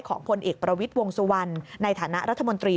ผลเอกประวิทย์วงสุวรรณในฐานะรัฐมนตรี